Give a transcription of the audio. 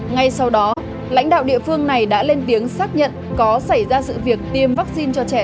ngay sau đó lãnh đạo địa phương này đã lên tiếng xác nhận có xảy ra sự việc tiêm vaccine cho trẻ